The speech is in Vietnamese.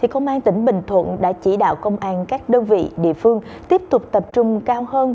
công an tỉnh bình thuận đã chỉ đạo công an các đơn vị địa phương tiếp tục tập trung cao hơn